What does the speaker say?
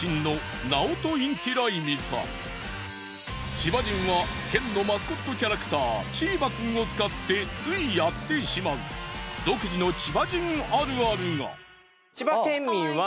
千葉人は県のマスコットキャラクターチーバくんを使ってついやってしまう地図のね。